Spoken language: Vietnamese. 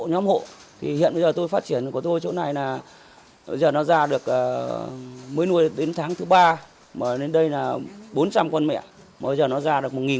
nhóm hộ hiện bây giờ tôi phát triển của tôi chỗ này là